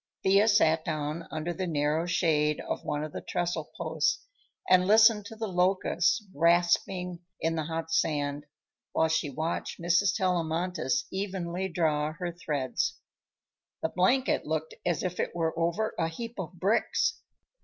Thea sat down under the narrow shade of one of the trestle posts and listened to the locusts rasping in the hot sand while she watched Mrs. Tellamantez evenly draw her threads. The blanket looked as if it were over a heap of bricks.